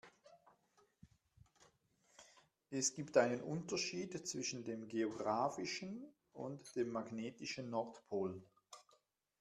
Es gibt einen Unterschied zwischen dem geografischen und dem magnetischen Nordpol.